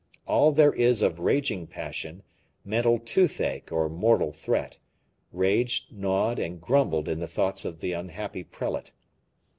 All there is of raging passion, mental toothache or mortal threat, raged, gnawed and grumbled in the thoughts of the unhappy prelate.